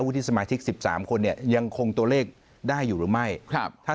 ที่สมาชิก๑๓คนเนี่ยยังคงตัวเลขได้อยู่หรือไม่ครับถ้า